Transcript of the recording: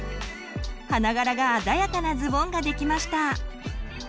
花柄が鮮やかなズボンができました！